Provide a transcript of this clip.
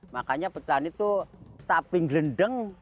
makanya petani tuh tapi gelendeng